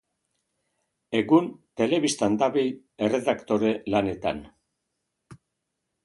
Egun, telebistan dabil, erredaktore lanetan.